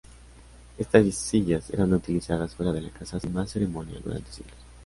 Estas sillas eran utilizadas fuera de la casa sin más ceremonia, durante siglos.